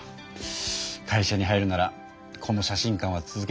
会社に入るならこの写真館は続けていけないしね。